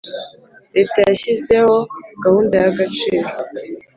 Leta yashyizeho gahunda ya Agaciro